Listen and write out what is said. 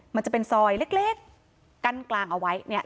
มันจะเป็นซอยเล็กกั้นกลางเอาไว้เนี่ย